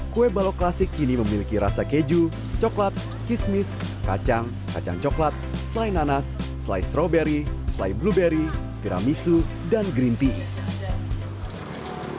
kue balok klasik kini memiliki rasa keju coklat kismis kacang kacang coklat selai nanas selai stroberi selai blueberry piramisu dan green tea